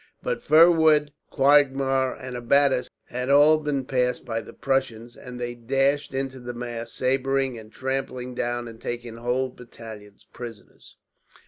But fir wood, quagmire, and abattis had all been passed by the Prussians, and they dashed into the mass, sabring and trampling down, and taking whole battalions prisoners.